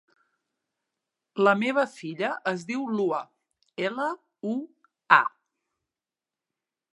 La meva filla es diu Lua: ela, u, a.